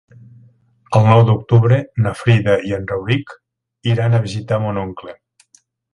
El nou d'octubre na Frida i en Rauric iran a visitar mon oncle.